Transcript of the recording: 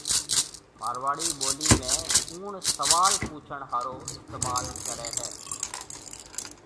مارواڙِي ٻولِي ۾ ”ڪوُڻ“ سوال پُڇڻ هارون استمعال ڪريَ۔